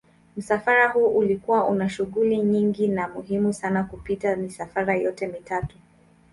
Msafara huu ulikuwa una shughuli nyingi na muhimu sana kupita misafara yote mitatu.